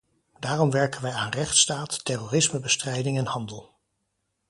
Daarom werken wij aan rechtsstaat, terrorismebestrijding en handel.